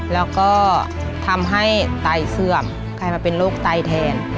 แล้วก็ทำให้ไตเสื่อมกลายมาเป็นโรคไตแทน